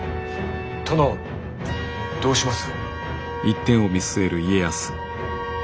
殿どうします？